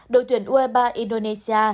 đội tuyển ue ba indonesia